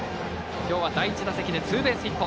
今日は第１打席でツーベースヒット。